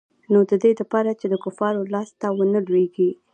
نو د دې د پاره چې د کفارو لاس ته ونه لوېږي.